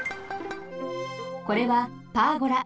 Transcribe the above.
これはパーゴラ。